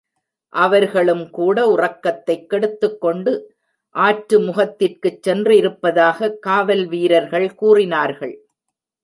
அவர்களும் கூட உறக்கத்தைக் கெடுத்துக்கொண்டு ஆற்று முகத்திற்குச் சென்றிருப்பதாகக் காவல் வீரர்கள் கூறினார்கள்.